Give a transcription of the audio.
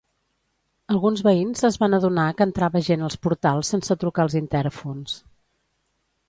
Alguns veïns es van adonar que entrava gent als portals sense trucar als intèrfons.